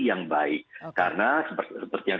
yang baik karena seperti yang